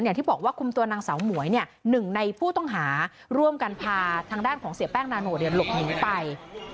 อย่างที่บอกว่าคุมตัวนางสาวหมวยหนึ่งในผู้ต้องหาร่วมกันพาทางด้านของเสียแป้งนาโนหลบหนีไป